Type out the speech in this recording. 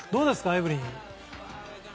エブリン。